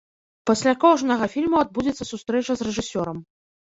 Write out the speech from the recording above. Пасля кожнага фільму адбудзецца сустрэча з рэжысёрам.